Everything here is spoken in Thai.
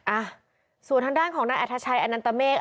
อ่ะส่วนทางด้านของนักแอธชัยอันนันตเตอร์เมฆ